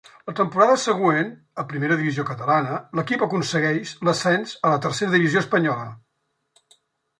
La temporada següent, a Primera Divisió Catalana, l'equip aconsegueix l'ascens a la Tercera Divisió Espanyola.